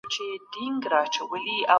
که لارې پخي سي د سیلانیانو شمېر به زیات سي.